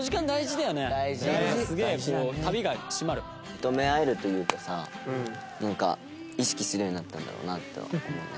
認め合えるというかさなんか意識するようになったんだろうなと思うね。